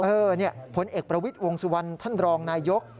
เออเนี่ยผลเอกประวิทย์วงสุวรรณท่านรองนายก